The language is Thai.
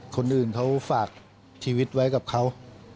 คนอื่นเขาฝากชีวิตไว้กับเขา